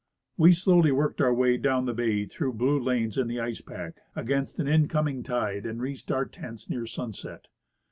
We slowly worked our way down the bay through blue lanes in the ice pack, against an incoming tide, and reached our tents near sunset.